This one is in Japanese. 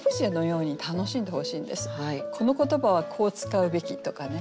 「この言葉はこう使うべき」とかね